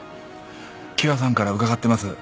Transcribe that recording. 喜和さんから伺ってます